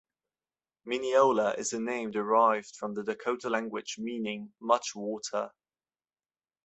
Minneola is a name derived from the Dakota language meaning "much water".